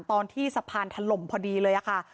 ตอนที่สะพานถล่มพอดีเลยค่ะ